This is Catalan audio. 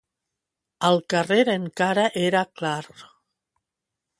Al carrer encara era clar.